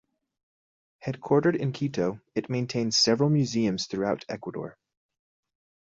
Headquartered in Quito, it maintains several museums throughout Ecuador.